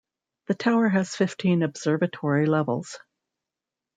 The tower has fifteen observatory levels.